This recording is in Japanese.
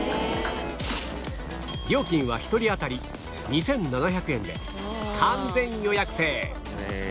料金は１人当たり２７００円で完全予約制